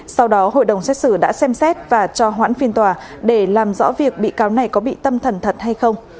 sau đó hội đồng xét xử đã xem xét và cho hoãn phiên tòa để làm rõ việc bị cáo này có bị tâm thần thật hay không